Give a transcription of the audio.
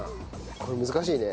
これ難しいね。